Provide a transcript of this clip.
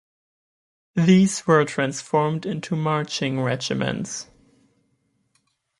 These were transformed into marching regiments.